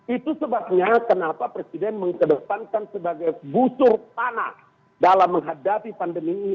itu sebabnya kenapa presiden mengedepankan sebagai busur panah dalam menghadapi pandemi ini